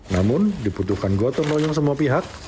namun dibutuhkan gotong royong semua pihak